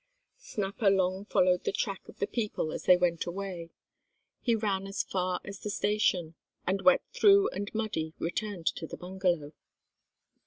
Snapper long followed the track of the people as they went away, he ran as far as the station, and wet through and muddy, returned to the bungalow.